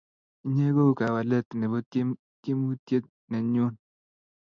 inye ko u kawalet nebo tiemutiet ne nyun